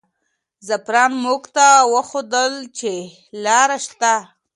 زعفران موږ ته وښودل چې لاره شته.